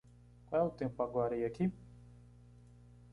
Qual é o tempo agora e aqui?